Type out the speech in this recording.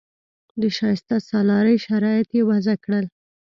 د شایسته سالارۍ شرایط یې وضع کړل.